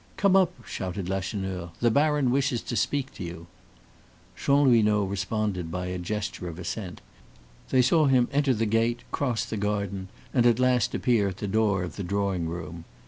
"Come up," shouted Lacheneur; "the baron wishes to speak with you." Chanlouineau responded by a gesture of assent. They saw him enter the gate, cross the garden, and at last appear at the door of the drawing room.